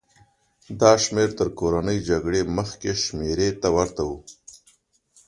دا شمېر تر کورنۍ جګړې مخکې شمېرې ته ورته و.